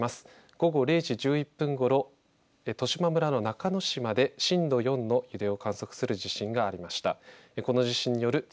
午後０時１１分ごろ十島村の中之島で震度４の揺れを観測する地震がありました。